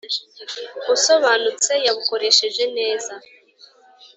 Usobanutse yabukoresheje neza.